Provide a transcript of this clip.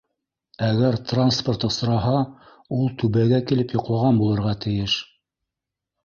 Әгәр транспорт осраһа, ул Түбәгә килеп йоҡлаған булырға тейеш.